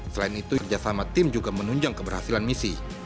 selain itu kerjasama tim juga menunjang keberhasilan misi